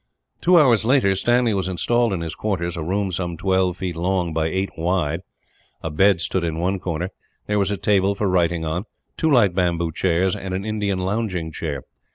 Two hours later Stanley was installed in his quarters a room some twelve feet long by eight wide. A bed stood in one corner. There was a table for writing on, two light bamboo chairs, and an Indian lounging chair.